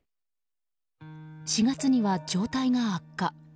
４月には状態が悪化。